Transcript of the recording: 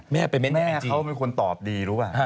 แม่เขาไม่ควรตอบดีรู้ป่ะเอาไปดูคลิปเจนี่ก่อนไป